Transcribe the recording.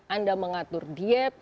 anda mengatur diet